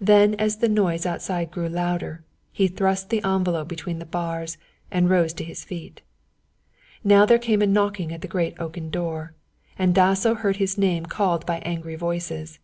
Then as the noise outside grew louder he thrust the envelope between the bars and rose to his feet. Now there came a knocking at the great oaken door, and Dasso heard his name called by angry voices.